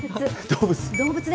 動物。